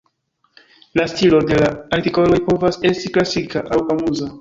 La stilo de la artikoloj povas esti "klasika aŭ amuza".